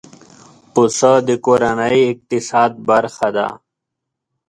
پسه د کورنۍ اقتصاد برخه ده.